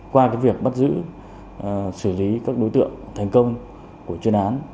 qua việc bắt giữ xử lý các đối tượng thành công của chuyên án